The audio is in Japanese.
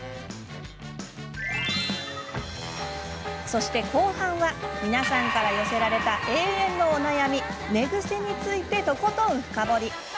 そして後半は、皆さんから寄せられた永遠のお悩み寝ぐせについてとことん深掘り。